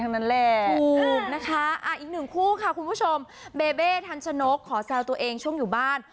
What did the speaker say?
อีกหนึ่งคู่ค่ะคุณผู้ชมเบเบทันชนกขอแซวตัวเองช่วงอยู่บ้าน